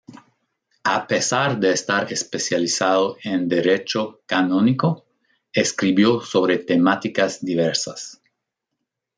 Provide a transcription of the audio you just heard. A pesar de estar especializado en derecho canónico, escribió sobre temáticas diversas.